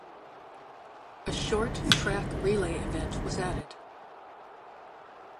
A short track relay event was added.